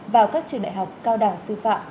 vào các trường đại học cao đảng sư phạm